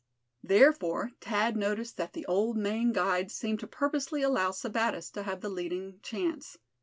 Therefore, Thad noticed that the old Maine guide seemed to purposely allow Sebattis to have the leading chance.